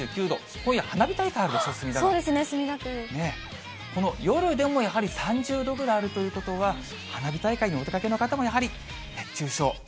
今夜、花火大会あるでしょ、そうですね、この夜でもやはり３０度ぐらいあるということは、花火大会にお出かけの方もやはり熱中症。